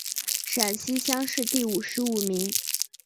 陕西乡试第五十五名。